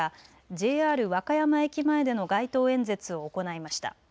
ＪＲ和歌山駅前での街頭演説を行いました。